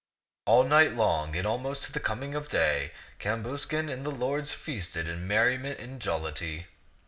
All night long, and almost to the com ing of the day, Cambuscan and his lords feasted in merriment and jollity.